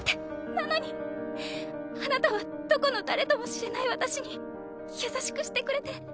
なのにあなたはどこの誰とも知れない私に優しくしてくれて。